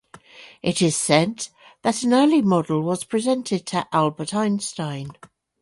It is said that an early model was presented to Albert Einstein.